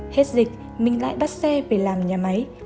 hết dịch mình lại bắt xe về làm nhà máy